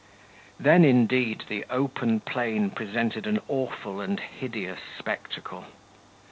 Then, indeed, the open plain presented an awful and hideous spectacle.